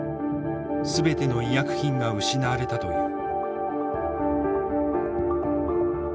全ての医薬品が失われたという。